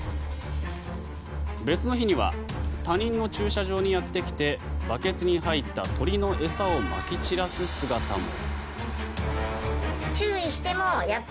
別の日には他人の駐車場にやってきてバケツに入った鳥の餌をまき散らす姿も。